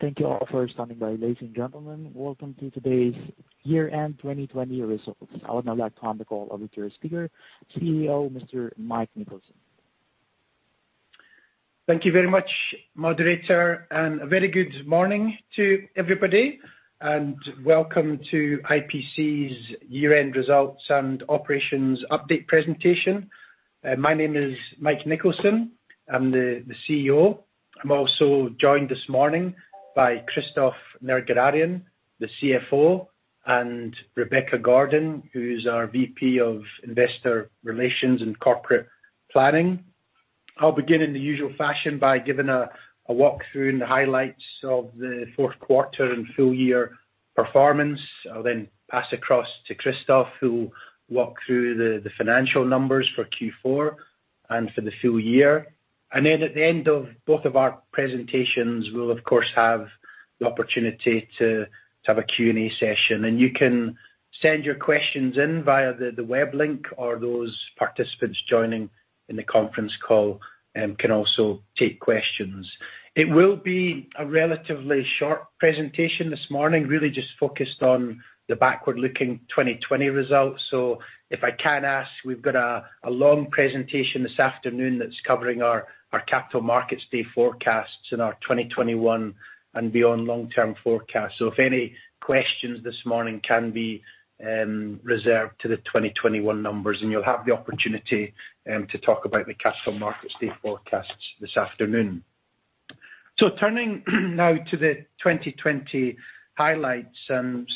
Thank you all for standing by, ladies and gentlemen. Welcome to today's year-end 2020 results. I would now like to hand the call over to our speaker, CEO Mr. Mike Nicholson. Thank you very much, Moderator, and a very good morning to everybody, and welcome to IPC's Year-end Results and Operations Update Presentation. My name is Mike Nicholson. I'm the CEO. I'm also joined this morning by Christophe Nerguararian, the CFO, and Rebecca Gordon, who's our VP of Investor Relations and Corporate Planning. I'll begin in the usual fashion by giving a walkthrough and the highlights of the fourth quarter and full-year performance. I'll then pass across to Christophe, who will walk through the financial numbers for Q4 and for the full year. And then at the end of both of our presentations, we'll, of course, have the opportunity to have a Q&A session. And you can send your questions in via the web link, or those participants joining in the conference call can also take questions. It will be a relatively short presentation this morning, really just focused on the backward-looking 2020 results. So if I can ask, we've got a long presentation this afternoon that's Capital Markets Day forecasts and our 2021 and beyond long-term forecasts. So if any questions this morning can be reserved to the 2021 numbers, and you'll have the opportunity to talk Capital Markets Day forecasts this afternoon. So turning now to the 2020 highlights, and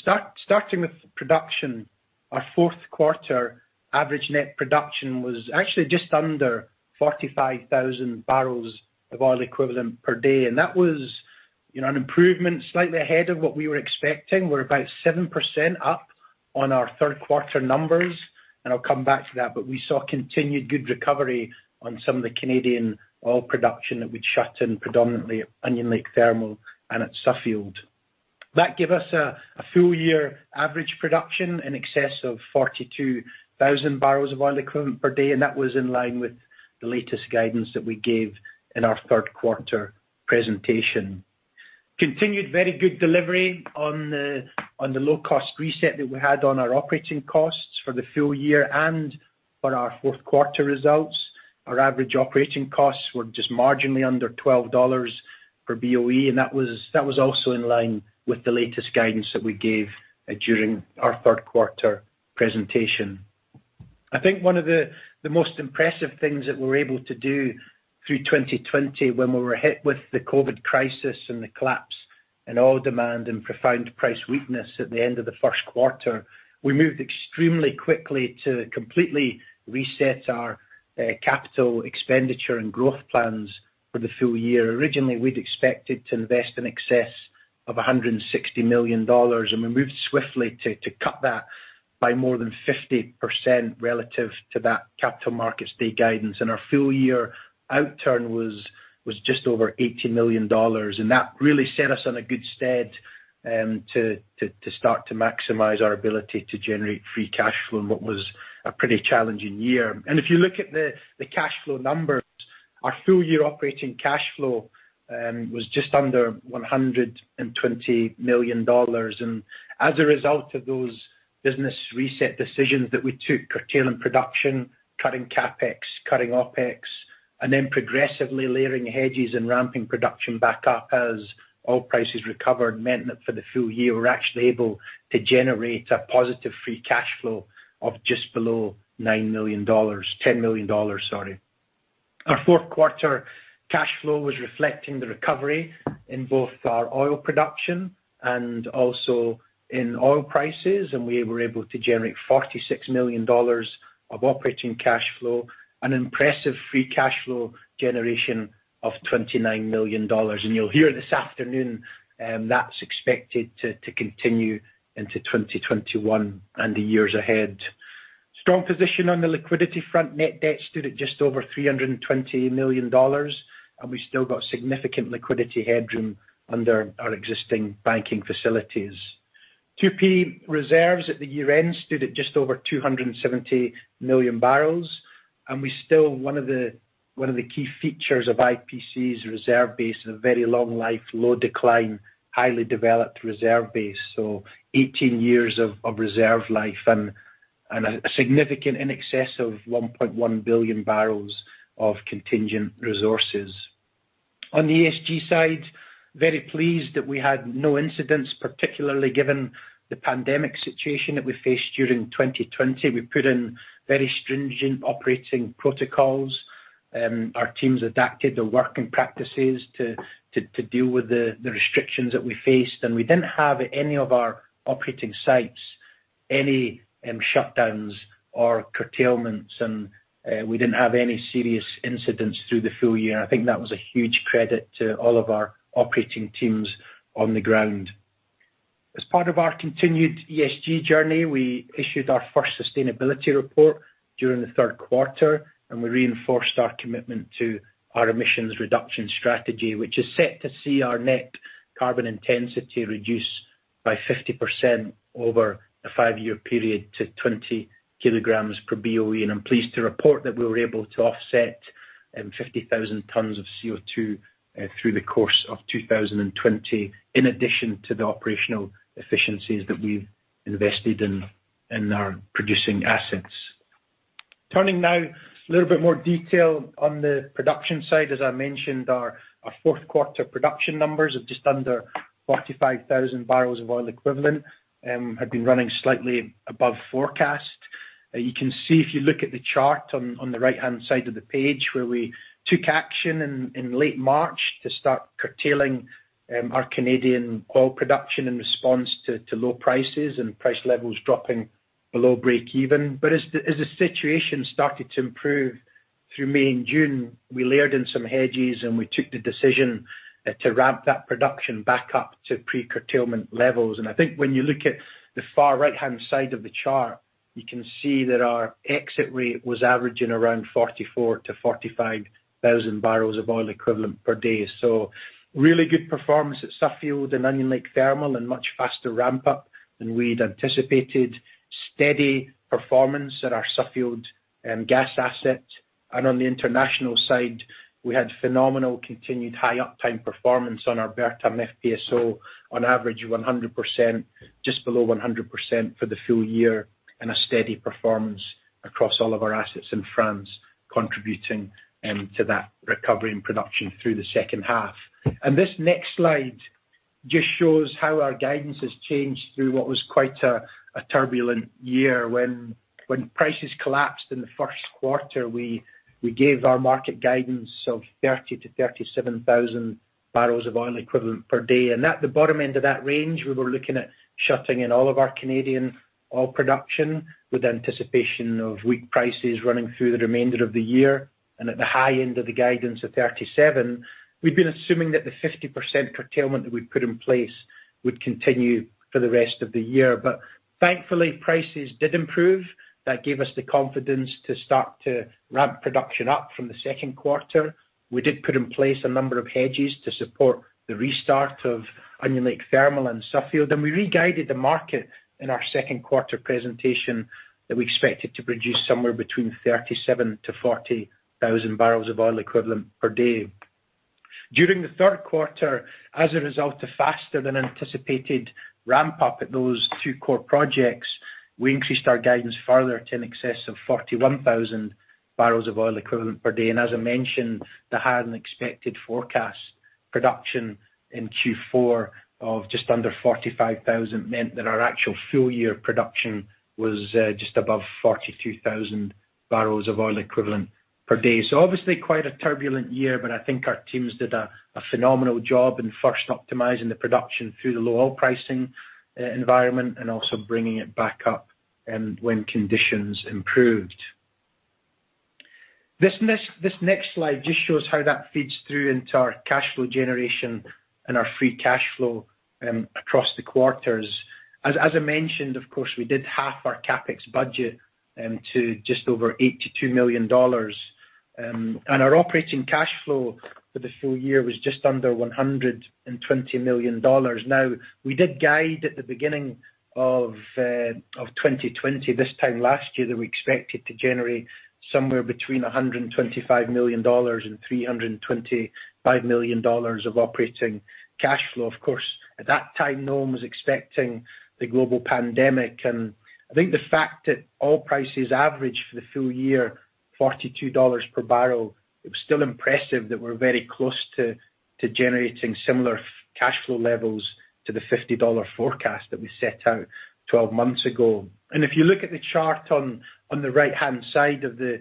starting with production, our fourth quarter average net production was actually just under 45,000 barrels of oil equivalent per day, and that was an improvement slightly ahead of what we were expecting. We're about 7% up on our third quarter numbers, and I'll come back to that. But we saw continued good recovery on some of the Canadian oil production that we'd shut in predominantly at Onion Lake Thermal and at Suffield. That gave us a full-year average production in excess of 42,000 barrels of oil equivalent per day, and that was in line with the latest guidance that we gave in our third quarter presentation. Continued very good delivery on the low-cost reset that we had on our operating costs for the full year and for our fourth quarter results. Our average operating costs were just marginally under $12 per BOE, and that was also in line with the latest guidance that we gave during our third quarter presentation. I think one of the most impressive things that we were able to do through 2020 when we were hit with the COVID crisis and the collapse in oil demand and profound price weakness at the end of the first quarter, we moved extremely quickly to completely reset our capital expenditure and growth plans for the full year. Originally, we'd expected to invest in excess of $160 million, and we moved swiftly to cut that by more than 50% relative Capital Markets Day guidance, and our full-year outturn was just over $80 million, and that really set us in good stead to start to maximize our ability to generate free cash flow, and what was a pretty challenging year, and if you look at the cash flow numbers, our full-year operating cash flow was just under $120 million. And as a result of those business reset decisions that we took, curtailing production, cutting CapEx, cutting OpEx, and then progressively layering hedges and ramping production back up as oil prices recovered, meant that for the full year, we were actually able to generate a positive free cash flow of just below $9 million, $10 million, sorry. Our fourth quarter cash flow was reflecting the recovery in both our oil production and also in oil prices, and we were able to generate $46 million of operating cash flow, an impressive free cash flow generation of $29 million. And you'll hear this afternoon that's expected to continue into 2021 and the years ahead. Strong position on the liquidity front. Net debt stood at just over $320 million, and we still got significant liquidity headroom under our existing banking facilities. Proved reserves at year-end stood at just over 270 million barrels, and we still have one of the key features of IPC's reserve base, a very long-life, low-decline, highly developed reserve base, so 18 years of reserve life and significantly in excess of 1.1 billion barrels of contingent resources. On the ESG side, very pleased that we had no incidents, particularly given the pandemic situation that we faced during 2020. We put in very stringent operating protocols. Our teams adapted their working practices to deal with the restrictions that we faced, and we didn't have at any of our operating sites any shutdowns or curtailments, and we didn't have any serious incidents through the full year, and I think that was a huge credit to all of our operating teams on the ground. As part of our continued ESG journey, we issued our first sustainability report during the third quarter, and we reinforced our commitment to our emissions reduction strategy, which is set to see our net carbon intensity reduce by 50% over a five-year period to 20 kg per BOE, and I'm pleased to report that we were able to offset 50,000 tons of CO2 through the course of 2020, in addition to the operational efficiencies that we've invested in our producing assets. Turning now, a little bit more detail on the production side. As I mentioned, our fourth quarter production numbers of just under 45,000 barrels of oil equivalent had been running slightly above forecast. You can see, if you look at the chart on the right-hand side of the page, where we took action in late March to start curtailing our Canadian oil production in response to low prices and price levels dropping below break-even, but as the situation started to improve through May and June, we layered in some hedges, and we took the decision to ramp that production back up to pre-curtailment levels, and I think when you look at the far right-hand side of the chart, you can see that our exit rate was averaging around 44,000-45,000 barrels of oil equivalent per day, so really good performance at Suffield and Onion Lake Thermal and much faster ramp-up than we'd anticipated. Steady performance at our Suffield gas asset. On the international side, we had phenomenal continued high uptime performance on our Bertam FPSO, on average 100%, just below 100% for the full year, and a steady performance across all of our assets in France, contributing to that recovery in production through the second half. This next slide just shows how our guidance has changed through what was quite a turbulent year. When prices collapsed in the first quarter, we gave our market guidance of 30,000-37,000 barrels of oil equivalent per day. At the bottom end of that range, we were looking at shutting in all of our Canadian oil production with anticipation of weak prices running through the remainder of the year. At the high end of the guidance of 37, we'd been assuming that the 50% curtailment that we'd put in place would continue for the rest of the year. Thankfully, prices did improve. That gave us the confidence to start to ramp production up from the second quarter. We did put in place a number of hedges to support the restart of Onion Lake Thermal and Suffield. We re-guided the market in our second quarter presentation that we expected to produce somewhere between 37,000 to 40,000 barrels of oil equivalent per day. During the third quarter, as a result of faster than anticipated ramp-up at those two core projects, we increased our guidance further to in excess of 41,000 barrels of oil equivalent per day. As I mentioned, the higher-than-expected forecast production in Q4 of just under 45,000 meant that our actual full-year production was just above 42,000 barrels of oil equivalent per day. So obviously, quite a turbulent year, but I think our teams did a phenomenal job in first optimizing the production through the low oil pricing environment and also bringing it back up when conditions improved. This next slide just shows how that feeds through into our cash flow generation and our free cash flow across the quarters. As I mentioned, of course, we did half our CapEx budget to just over $82 million. And our operating cash flow for the full year was just under $120 million. Now, we did guide at the beginning of 2020, this time last year, that we expected to generate somewhere between $125 million and $325 million of operating cash flow. Of course, at that time, no one was expecting the global pandemic. And I think the fact that oil prices averaged for the full year $42 per barrel, it was still impressive that we're very close to generating similar cash flow levels to the $50 forecast that we set out 12 months ago. And if you look at the chart on the right-hand side of the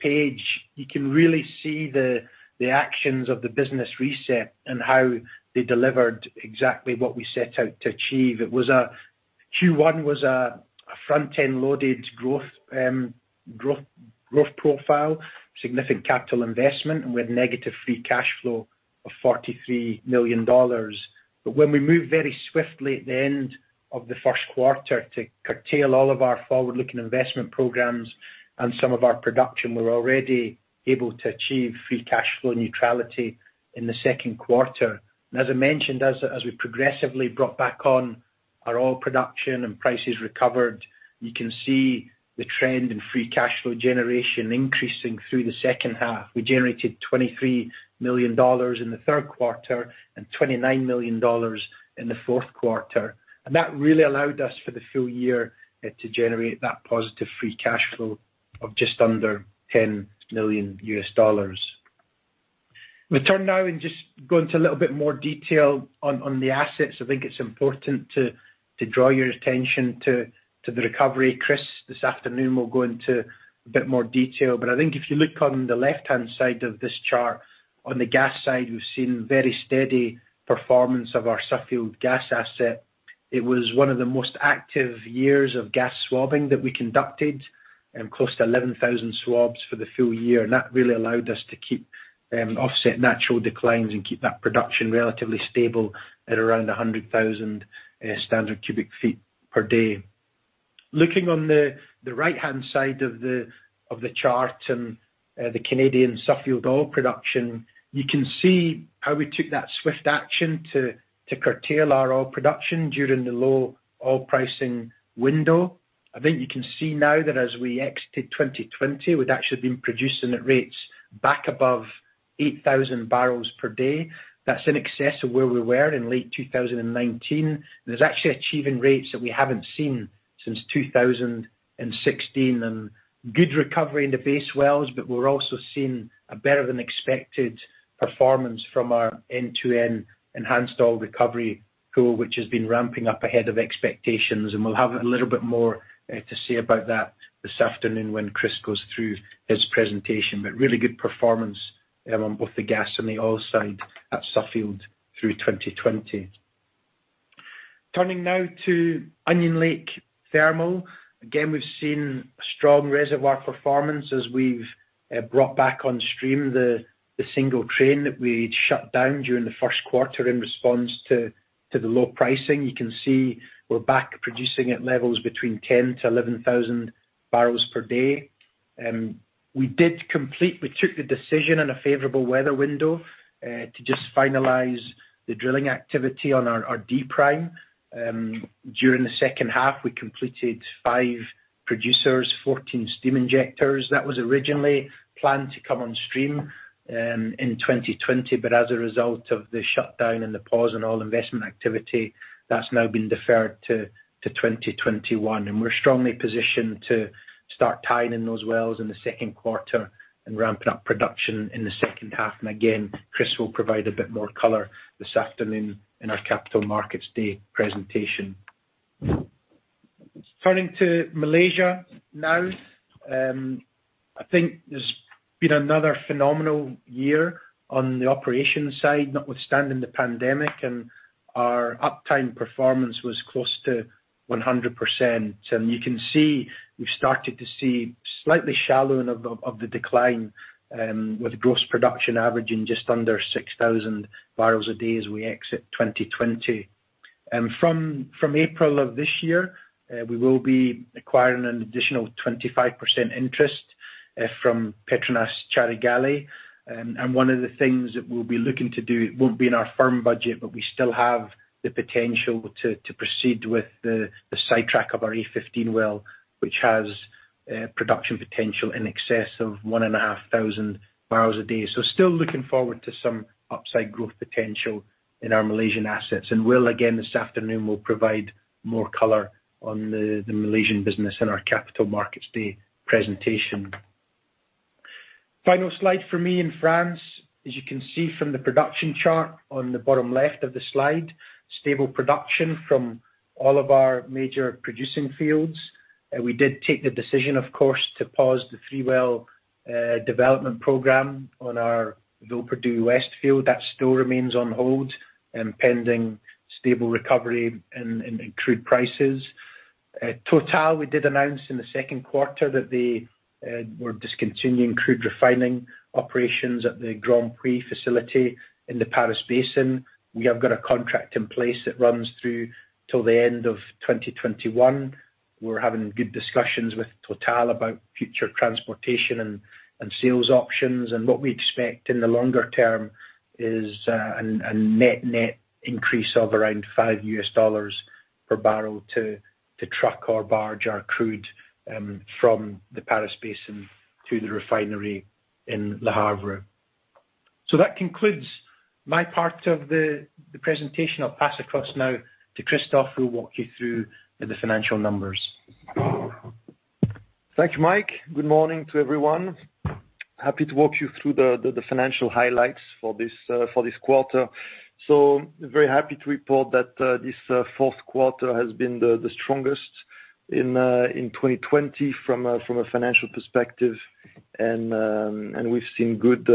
page, you can really see the actions of the business reset and how they delivered exactly what we set out to achieve. Q1 was a front-end loaded growth profile, significant capital investment, and we had negative free cash flow of $43 million. But when we moved very swiftly at the end of the first quarter to curtail all of our forward-looking investment programs and some of our production, we were already able to achieve free cash flow neutrality in the second quarter. And as I mentioned, as we progressively brought back on our oil production and prices recovered, you can see the trend in free cash flow generation increasing through the second half. We generated $23 million in the third quarter and $29 million in the fourth quarter. And that really allowed us for the full year to generate that positive free cash flow of just under $10 million. We'll turn now and just go into a little bit more detail on the assets. I think it's important to draw your attention to the recovery. Chris, this afternoon, we'll go into a bit more detail. But I think if you look on the left-hand side of this chart, on the gas side, we've seen very steady performance of our Suffield gas asset. It was one of the most active years of gas swabbing that we conducted, close to 11,000 swabs for the full year. That really allowed us to keep offset natural declines and keep that production relatively stable at around 100,000 standard cubic feet per day. Looking on the right-hand side of the chart and the Canadian Suffield oil production, you can see how we took that swift action to curtail our oil production during the low oil pricing window. I think you can see now that as we exited 2020, we'd actually been producing at rates back above 8,000 barrels per day. That's in excess of where we were in late 2019. We're actually achieving rates that we haven't seen since 2016. Good recovery in the base wells, but we're also seeing a better-than-expected performance from our end-to-end enhanced oil recovery goal, which has been ramping up ahead of expectations. We'll have a little bit more to say about that this afternoon when Chris goes through his presentation. Really good performance on both the gas and the oil side at Suffield through 2020. Turning now to Onion Lake Thermal. Again, we've seen strong reservoir performance as we've brought back on stream the single train that we'd shut down during the first quarter in response to the low pricing. You can see we're back producing at levels between 10,000-11,000 barrels per day. We took the decision in a favorable weather window to just finalize the drilling activity on our D-Prime. During the second half, we completed five producers, 14 steam injectors. That was originally planned to come on stream in 2020, but as a result of the shutdown and the pause in all investment activity, that's now been deferred to 2021, and we're strongly positioned to start tying in those wells in the second quarter and ramping up production in the second half, and again, Chris will provide a bit more color this afternoon Capital Markets Day presentation. Turning to Malaysia now, I think there's been another phenomenal year on the operations side, notwithstanding the pandemic, and our uptime performance was close to 100%, and you can see we've started to see slightly shallowing of the decline, with gross production averaging just under 6,000 barrels a day as we exit 2020. From April of this year, we will be acquiring an additional 25% interest from Petronas Carigali. One of the things that we'll be looking to do, it won't be in our firm budget, but we still have the potential to proceed with the sidetrack of our A15 well, which has production potential in excess of 1,500 barrels a day. Still looking forward to some upside growth potential in our Malaysian assets. Will, again, this afternoon, will provide more color on the Malaysian business Capital Markets Day presentation. Final slide for me in France. As you can see from the production chart on the bottom left of the slide, stable production from all of our major producing fields. We did take the decision, of course, to pause the three-well development program on our Villeperdue West field. That still remains on hold, pending stable recovery in crude prices. Total, we did announce in the second quarter that they were discontinuing crude refining operations at the Grandpuits facility in the Paris Basin. We have got a contract in place that runs through till the end of 2021. We're having good discussions with Total about future transportation and sales options. And what we expect in the longer term is a net increase of around $5 per barrel to truck or barge our crude from the Paris Basin to the refinery in Le Havre. So that concludes my part of the presentation. I'll pass across now to Christophe, who will walk you through the financial numbers. Thank you, Mike. Good morning to everyone. Happy to walk you through the financial highlights for this quarter. Very happy to report that this fourth quarter has been the strongest in 2020 from a financial perspective. We've seen good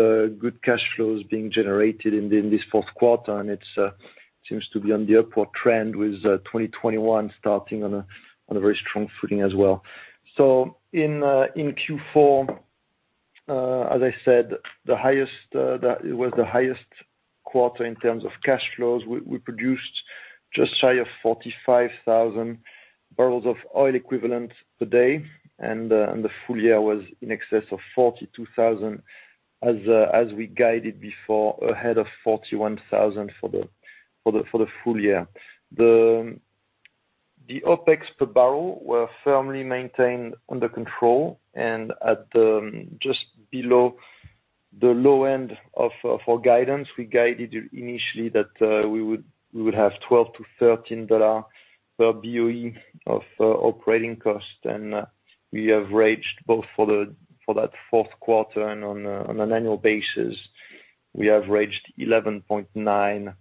cash flows being generated in this fourth quarter. It seems to be on the upward trend, with 2021 starting on a very strong footing as well. In Q4, as I said, it was the highest quarter in terms of cash flows. We produced just shy of 45,000 barrels of oil equivalent per day. The full year was in excess of 42,000, as we guided before, ahead of 41,000 for the full year. The OpEx per barrel were firmly maintained under control and just below the low end of our guidance. We guided initially that we would have $12-$13 per BOE of operating cost. We averaged both for that fourth quarter and on an annual basis, we averaged $11.9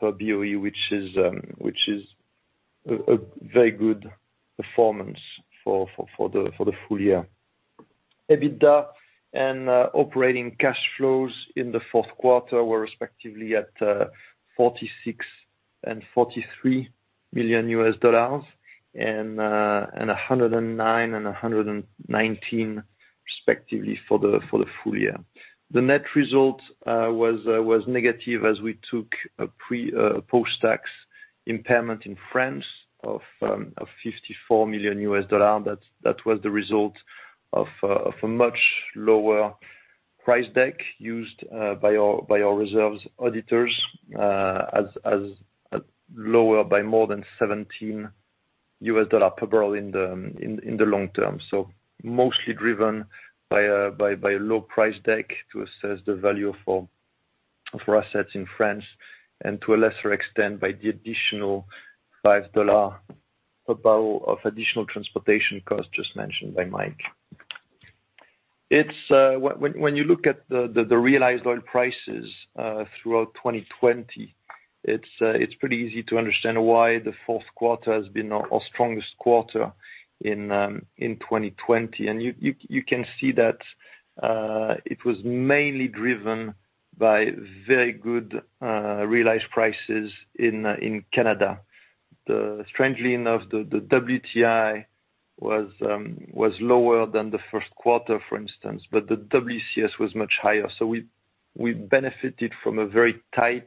per BOE, which is a very good performance for the full year. EBITDA and operating cash flows in the fourth quarter were respectively $46 million and $43 million, and $109 million and $119 million respectively for the full year. The net result was negative as we took a post-tax impairment in France of $54 million. That was the result of a much lower price deck used by our reserves auditors as lower by more than $17 per barrel in the long term. So mostly driven by a low price deck to assess the value of our assets in France and to a lesser extent by the additional $5 per barrel of additional transportation cost just mentioned by Mike. When you look at the realized oil prices throughout 2020, it's pretty easy to understand why the fourth quarter has been our strongest quarter in 2020. You can see that it was mainly driven by very good realized prices in Canada. Strangely enough, the WTI was lower than the first quarter, for instance, but the WCS was much higher. So we benefited from a very tight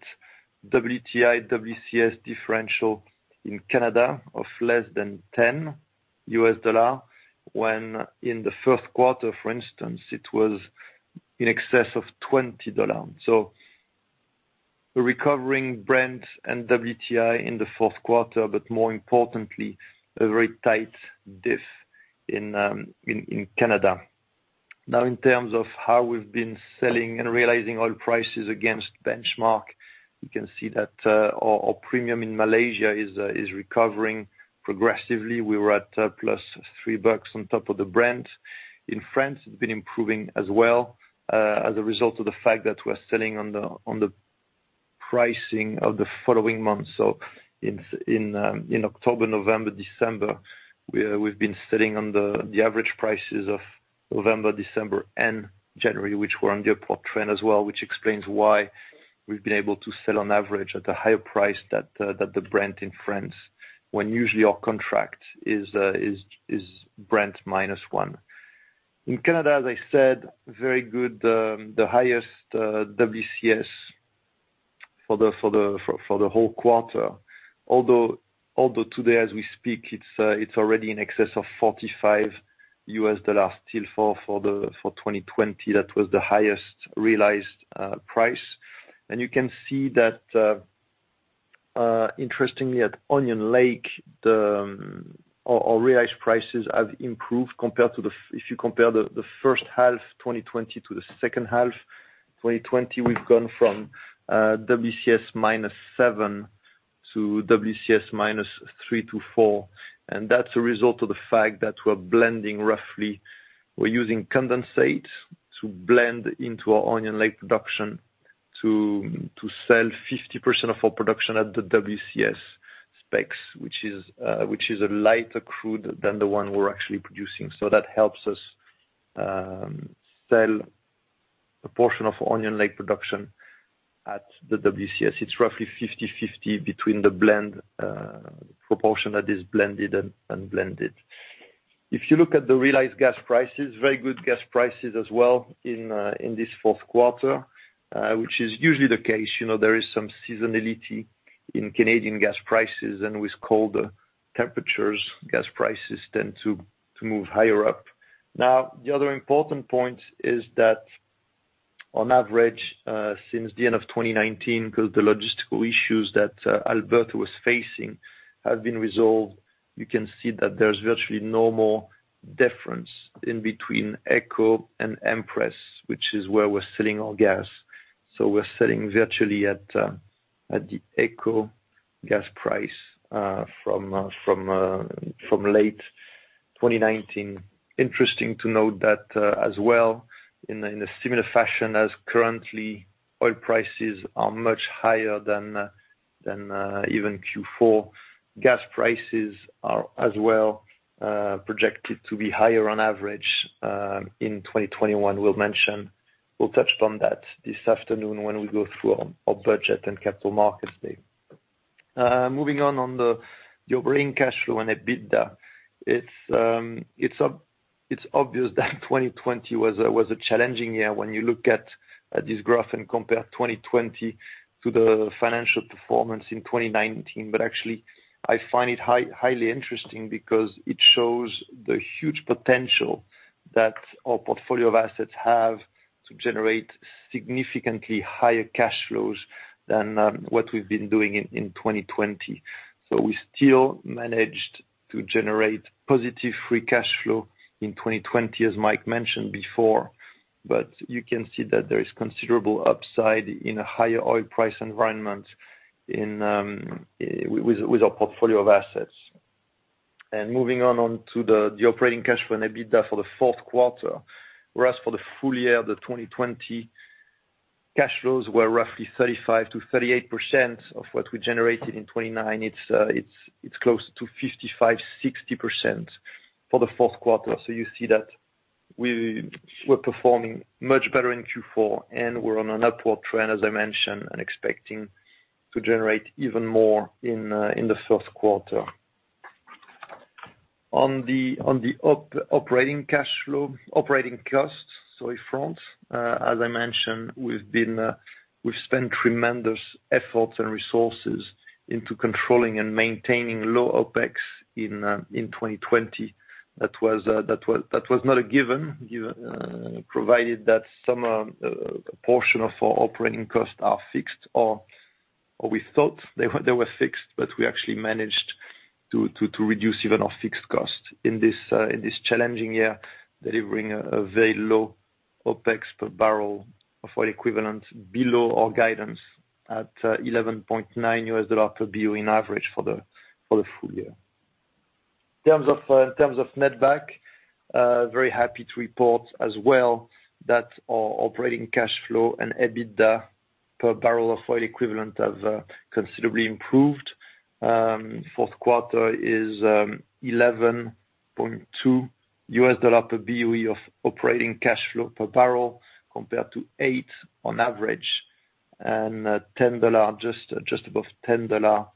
WTI/WCS differential in Canada of less than $10, when in the first quarter, for instance, it was in excess of $20. So a recovering Brent and WTI in the fourth quarter, but more importantly, a very tight diff in Canada. Now, in terms of how we've been selling and realizing oil prices against benchmark, you can see that our premium in Malaysia is recovering progressively. We were at plus $3 on top of the Brent. In France, it's been improving as well as a result of the fact that we're selling on the pricing of the following month. So in October, November, December, we've been selling on the average prices of November, December, and January, which were on the upward trend as well, which explains why we've been able to sell on average at a higher price than the Brent in France, when usually our contract is Brent minus $1. In Canada, as I said, very good, the highest WCS for the whole quarter. Although today, as we speak, it's already in excess of $45 still for 2020. That was the highest realized price. And you can see that, interestingly, at Onion Lake, our realized prices have improved. If you compare the first half, 2020, to the second half, 2020, we've gone from WCS minus $7 to WCS minus $3-$4. And that's a result of the fact that we're blending roughly. We're using condensate to blend into our Onion Lake production to sell 50% of our production at the WCS specs, which is a lighter crude than the one we're actually producing. So that helps us sell a portion of Onion Lake production at the WCS. It's roughly 50/50 between the blend proportion that is blended and unblended. If you look at the realized gas prices, very good gas prices as well in this fourth quarter, which is usually the case. There is some seasonality in Canadian gas prices, and with colder temperatures, gas prices tend to move higher up. Now, the other important point is that, on average, since the end of 2019, because the logistical issues that Alberta was facing have been resolved, you can see that there's virtually no more difference in between AECO and Empress, which is where we're selling our gas. So we're selling virtually at the AECO gas price from late 2019. Interesting to note that as well, in a similar fashion as currently, oil prices are much higher than even Q4. Gas prices are as well projected to be higher on average in 2021. We'll touch upon that this afternoon when we go through our Capital Markets Day. Moving on, on the operating cash flow and EBITDA, it's obvious that 2020 was a challenging year when you look at this graph and compare 2020 to the financial performance in 2019. But actually, I find it highly interesting because it shows the huge potential that our portfolio of assets have to generate significantly higher cash flows than what we've been doing in 2020. So we still managed to generate positive free cash flow in 2020, as Mike mentioned before. But you can see that there is considerable upside in a higher oil price environment with our portfolio of assets. And moving on to the operating cash flow and EBITDA for the fourth quarter, whereas for the full year, the 2020 cash flows were roughly 35%-38% of what we generated in 2019. It's close to 55%-60% for the fourth quarter. So you see that we were performing much better in Q4, and we're on an upward trend, as I mentioned, and expecting to generate even more in the first quarter. On the operating cash flow, operating costs, sorry, front, as I mentioned, we've spent tremendous efforts and resources into controlling and maintaining low OpEx in 2020. That was not a given, provided that some portion of our operating costs are fixed. Or we thought they were fixed, but we actually managed to reduce even our fixed costs in this challenging year, delivering a very low OPEX per barrel of oil equivalent below our guidance at $11.9 per BOE on average for the full year. In terms of netback, very happy to report as well that our operating cash flow and EBITDA per barrel of oil equivalent have considerably improved. Fourth quarter is $11.2 per BOE of operating cash flow per barrel compared to $8 on average, and just above $10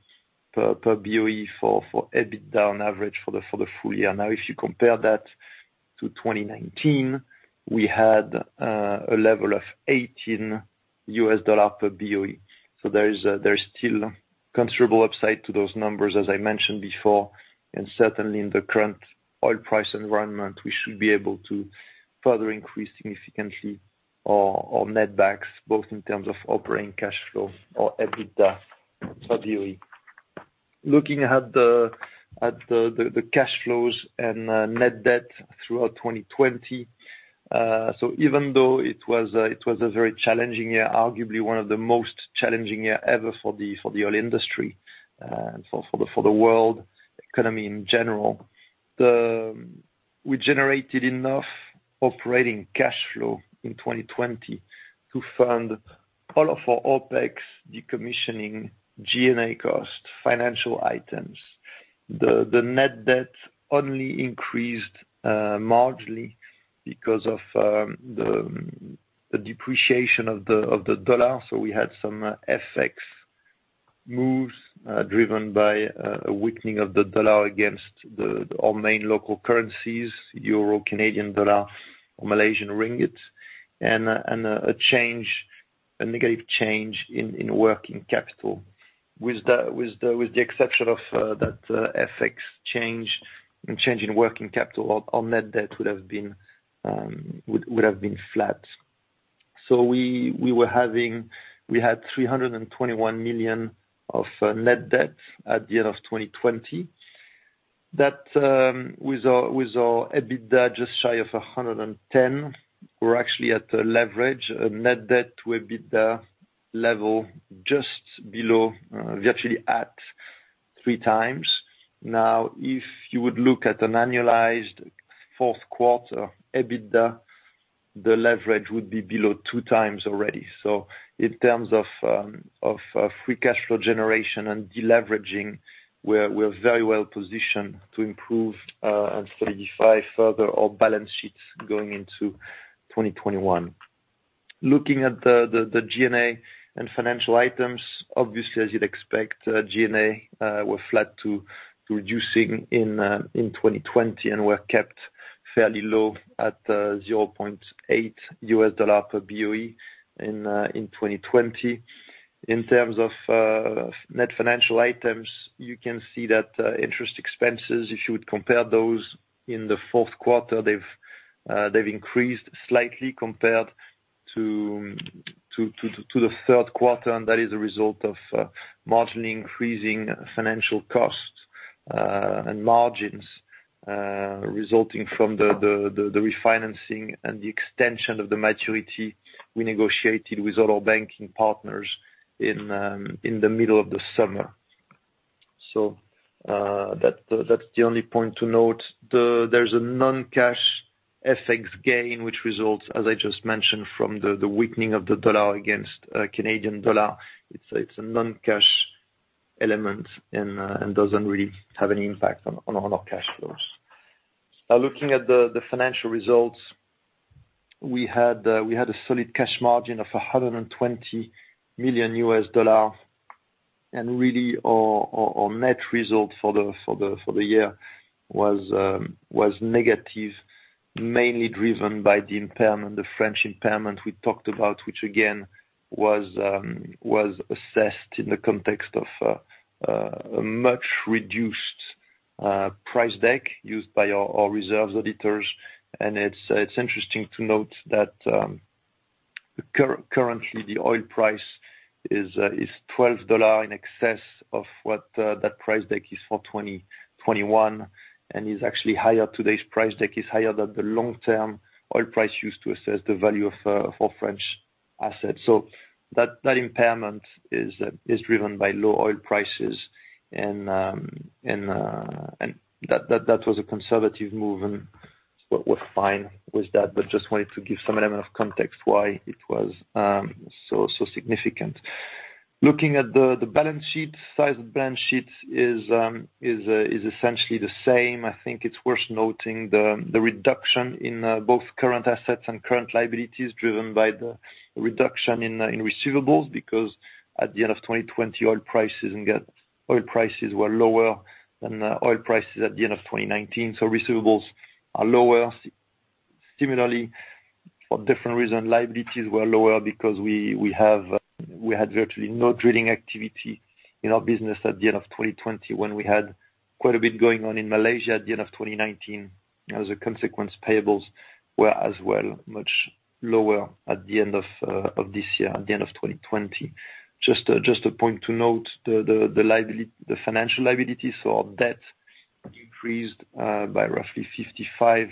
per BOE for EBITDA on average for the full year. Now, if you compare that to 2019, we had a level of $18 per BOE. So there's still considerable upside to those numbers, as I mentioned before. And certainly, in the current oil price environment, we should be able to further increase significantly our netbacks, both in terms of operating cash flow or EBITDA per BOE. Looking at the cash flows and net debt throughout 2020, so even though it was a very challenging year, arguably one of the most challenging years ever for the oil industry and for the world economy in general, we generated enough operating cash flow in 2020 to fund all of our OpEx, decommissioning, G&A cost, financial items. The net debt only increased marginally because of the depreciation of the dollar. So we had some FX moves driven by a weakening of the dollar against our main local currencies, Euro, Canadian dollar, or Malaysian ringgit, and a negative change in working capital. With the exception of that FX change and change in working capital, our net debt would have been flat. So we had $321 million of net debt at the end of 2020. With our EBITDA just shy of $110 million, we're actually at a leverage net debt to EBITDA level just below, virtually at three times. Now, if you would look at an annualized fourth quarter EBITDA, the leverage would be below two times already. So in terms of free cash flow generation and deleveraging, we're very well positioned to improve and solidify further our balance sheets going into 2021. Looking at the G&A and financial items, obviously, as you'd expect, G&A were flat to reducing in 2020 and were kept fairly low at $0.8 per BOE in 2020. In terms of net financial items, you can see that interest expenses, if you would compare those in the fourth quarter, they've increased slightly compared to the third quarter, and that is a result of marginally increasing financial costs and margins resulting from the refinancing and the extension of the maturity we negotiated with all our banking partners in the middle of the summer. So that's the only point to note. There's a non-cash FX gain, which results, as I just mentioned, from the weakening of the dollar against Canadian dollar. It's a non-cash element and doesn't really have any impact on our cash flows. Looking at the financial results, we had a solid cash margin of $120 million, and really our net result for the year was negative, mainly driven by the impairment, the French impairment we talked about, which, again, was assessed in the context of a much reduced price deck used by our reserves auditors. It's interesting to note that currently, the oil price is $12 in excess of what that price deck is for 2021, and it's actually higher. Today's price deck is higher than the long-term oil price used to assess the value of our French assets. That impairment is driven by low oil prices, and that was a conservative move, and we're fine with that, but just wanted to give some element of context why it was so significant. Looking at the balance sheet, size of balance sheet is essentially the same. I think it's worth noting the reduction in both current assets and current liabilities driven by the reduction in receivables because at the end of 2020, oil prices were lower than oil prices at the end of 2019. So receivables are lower. Similarly, for different reasons, liabilities were lower because we had virtually no trading activity in our business at the end of 2020 when we had quite a bit going on in Malaysia at the end of 2019. As a consequence, payables were as well much lower at the end of this year, at the end of 2020. Just a point to note, the financial liabilities, so our debt increased by roughly $55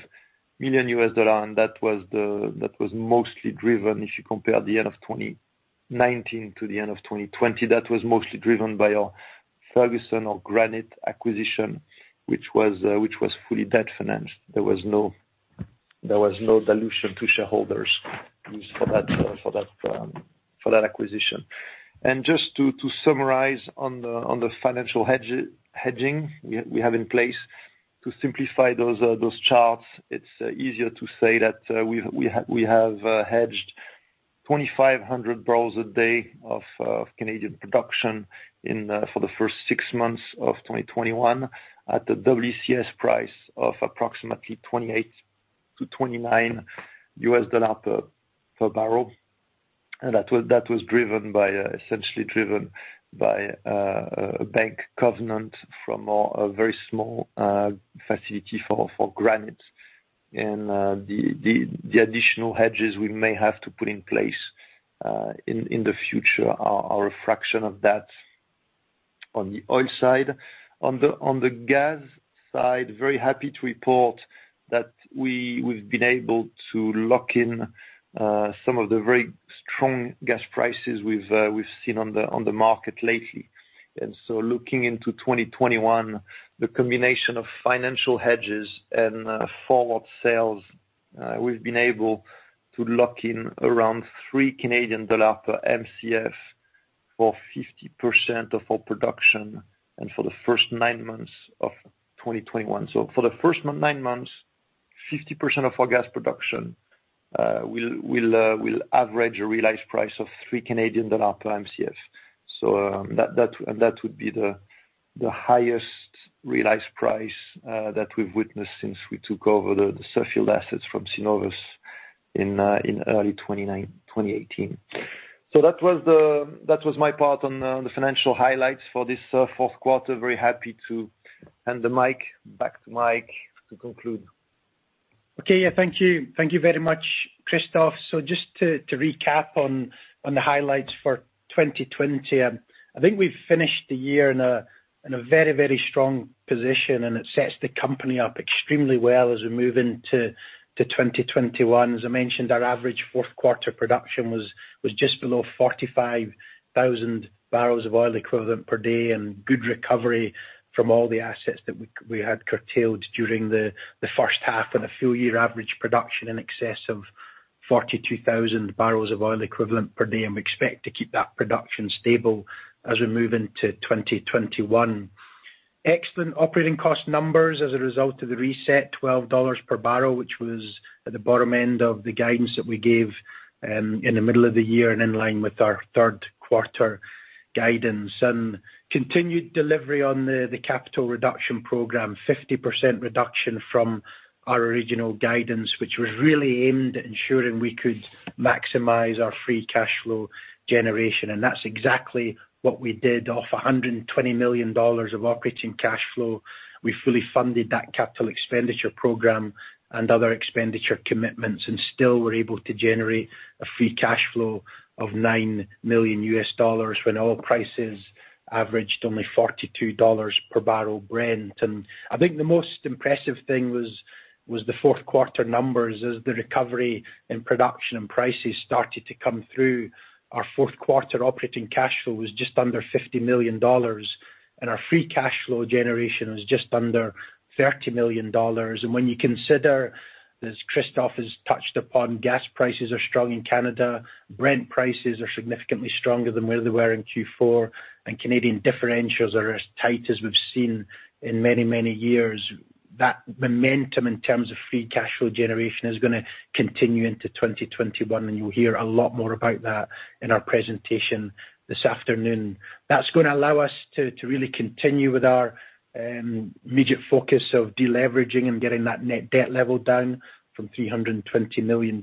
million, and that was mostly driven, if you compare the end of 2019 to the end of 2020, that was mostly driven by our Ferguson or Granite acquisition, which was fully debt financed. There was no dilution to shareholders used for that acquisition. And just to summarize on the financial hedging we have in place, to simplify those charts, it's easier to say that we have hedged 2,500 barrels a day of Canadian production for the first six months of 2021 at the WCS price of approximately $28-$29 per barrel. And that was essentially driven by a bank covenant from a very small facility for Granite. And the additional hedges we may have to put in place in the future are a fraction of that on the oil side. On the gas side, very happy to report that we've been able to lock in some of the very strong gas prices we've seen on the market lately. Looking into 2021, the combination of financial hedges and forward sales, we've been able to lock in around 3 Canadian dollars per MCF for 50% of our production and for the first nine months of 2021. For the first nine months, 50% of our gas production will average a realized price of 3 Canadian dollar per MCF. That would be the highest realized price that we've witnessed since we took over the Suffield assets from Cenovus in early 2018. That was my part on the financial highlights for this fourth quarter. Very happy to hand the mic back to Mike to conclude. Okay. Yeah. Thank you. Thank you very much, Christophe. Just to recap on the highlights for 2020, I think we've finished the year in a very, very strong position, and it sets the company up extremely well as we move into 2021. As I mentioned, our average fourth quarter production was just below 45,000 barrels of oil equivalent per day, and good recovery from all the assets that we had curtailed during the first half of the year. Full year average production in excess of 42,000 barrels of oil equivalent per day. We expect to keep that production stable as we move into 2021. Excellent operating cost numbers as a result of the reset, $12 per barrel, which was at the bottom end of the guidance that we gave in the middle of the year and in line with our third quarter guidance. Continued delivery on the capital reduction program, 50% reduction from our original guidance, which was really aimed at ensuring we could maximize our free cash flow generation. That's exactly what we did. On $120 million of operating cash flow, we fully funded that capital expenditure program and other expenditure commitments, and still were able to generate a free cash flow of $9 million when oil prices averaged only $42 per barrel Brent. I think the most impressive thing was the fourth quarter numbers as the recovery in production and prices started to come through. Our fourth quarter operating cash flow was just under $50 million, and our free cash flow generation was just under $30 million. When you consider, as Christophe has touched upon, gas prices are strong in Canada, Brent prices are significantly stronger than where they were in Q4, and Canadian differentials are as tight as we've seen in many, many years. That momentum in terms of free cash flow generation is going to continue into 2021, and you'll hear a lot more about that in our presentation this afternoon. That's going to allow us to really continue with our immediate focus of deleveraging and getting that net debt level down from $320 million,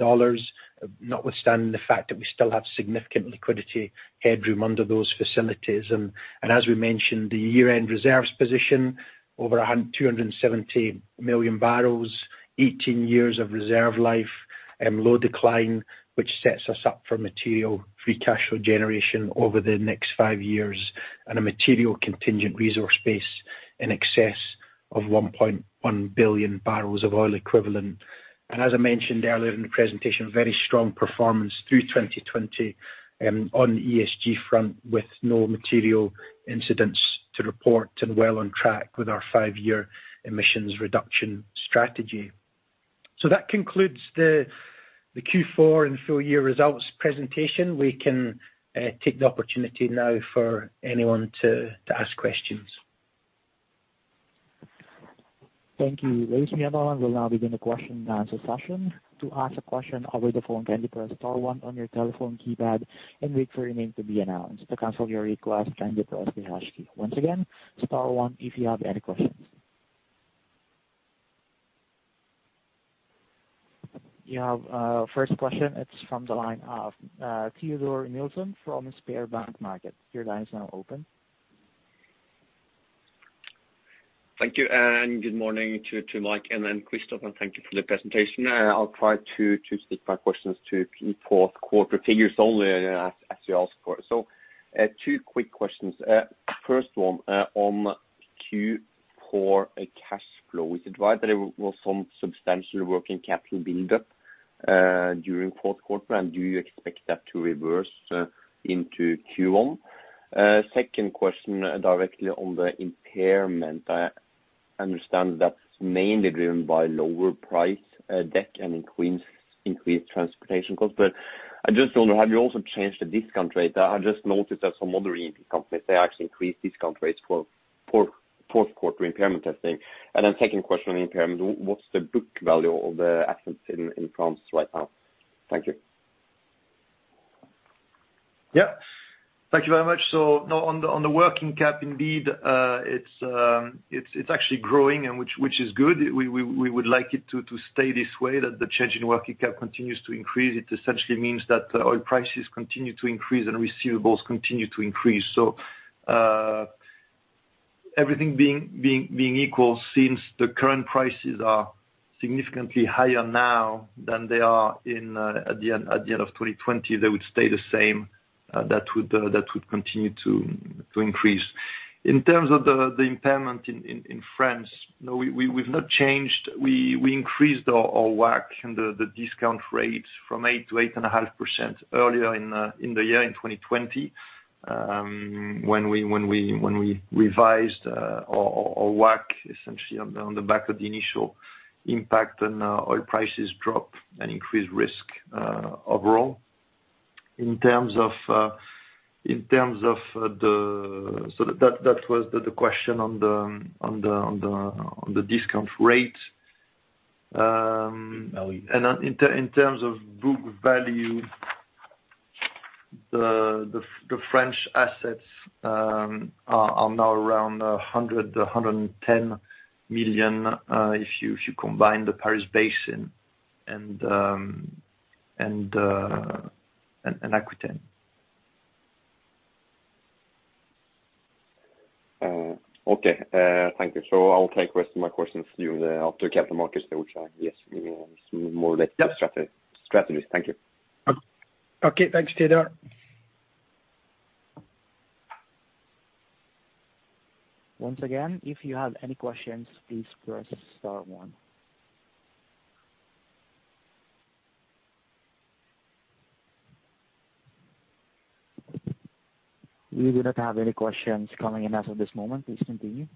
notwithstanding the fact that we still have significant liquidity headroom under those facilities. And as we mentioned, the year-end reserves position, over 270 million barrels, 18 years of reserve life, and low decline, which sets us up for material free cash flow generation over the next five years and a material contingent resource base in excess of 1.1 billion barrels of oil equivalent. And as I mentioned earlier in the presentation, very strong performance through 2020 on the ESG front with no material incidents to report and well on track with our five-year emissions reduction strategy. So that concludes the Q4 and full year results presentation. We can take the opportunity now for anyone to ask questions. Thank you. Ladies and gentlemen, we'll now begin the question and answer session. To ask a question, press star one on your telephone keypad and wait for your name to be announced. To cancel your request, press star two. Once again, star one if you have any questions. You have a first question. It's from the line of Teodor Sveen-Nilsen from SpareBank 1 Markets. Your line is now open. Thank you. And good morning to Mike and Christophe, and thank you for the presentation. I'll try to stick my questions to Q4 quarter figures only as you ask for it. So two quick questions. First one on Q4 cash flow. Is it right that there was some substantial working capital buildup during fourth quarter, and do you expect that to reverse into Q1? Second question directly on the impairment. I understand that's mainly driven by lower price deck and increased transportation costs, but I just wondered, have you also changed the discount rate? I just noticed that some other E&P companies, they actually increased discount rates for fourth quarter impairment testing. And then second question on impairment, what's the book value of the assets in France right now? Thank you. Yeah. Thank you very much. So on the working cap, indeed, it's actually growing, which is good. We would like it to stay this way, that the changing working cap continues to increase. It essentially means that oil prices continue to increase and receivables continue to increase. So everything being equal, since the current prices are significantly higher now than they are at the end of 2020, they would stay the same. That would continue to increase. In terms of the impairment in France, we've not changed. We increased our WACC and the discount rates from 8%-8.5% earlier in the year in 2020 when we revised our WACC essentially on the back of the initial impact on oil prices drop and increased risk overall. In terms of the so that was the question on the discount rate. And in terms of book value, the French assets are now around $100 million-$110 million if you combine the Paris Basin and Aquitaine. Okay. Thank you. So I'll take my questions to you after capital markets, which I guess is more or less the strategy. Thank you. Okay. Thanks, Teodor. Once again, if you have any questions, please press star one. We do not have any questions coming in as of this moment. Please continue.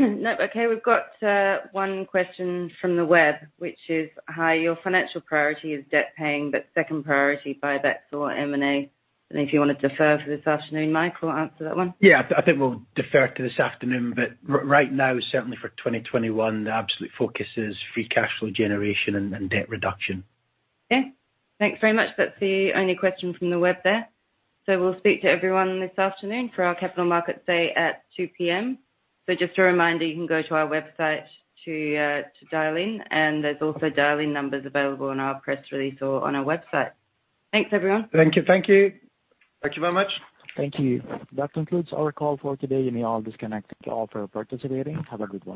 Okay. We've got one question from the web, which is, "Hi, your financial priority is debt repayment, but second priority dividends or M&A." And if you want to defer for this afternoon, Mike will answer that one. Yeah. I think we'll defer to this afternoon, but right now, certainly for 2021, the absolute focus is free cash flow generation and debt reduction. Yeah. Thanks very much. That's the only question from the web there. So we'll speak to everyone this afternoon Capital Markets Day at 2:00 P.M. So just a reminder, you can go to our website to dial in, and there's also dial-in numbers available on our press release or on our website. Thanks, everyone. Thank you. Thank you. Thank you very much. Thank you. That concludes our call for today, and thank you all for participating. Have a good one.